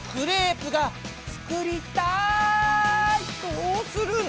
どうするの？